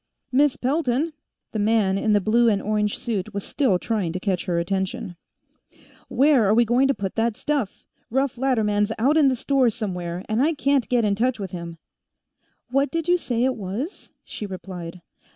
"Miss Pelton!" The man in the blue and orange suit was still trying to catch her attention. "Where are we going to put that stuff? Russ Latterman's out in the store, somewhere, and I can't get in touch with him." "What did you say it was?" she replied.